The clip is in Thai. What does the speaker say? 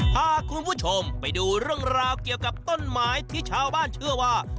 พาคุณผู้ชมไปดูเรื่องราวเกี่ยวกับต้นไม้ที่ชาวบ้านเชื่อว่า